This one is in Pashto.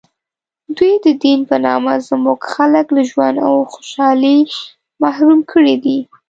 دوی د دین په نامه زموږ خلک له ژوند و خوشحالۍ محروم کړي دي.